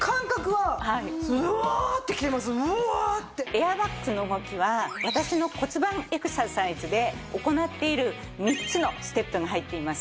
エアバッグの動きは私の骨盤エクササイズで行っている３つのステップが入っています。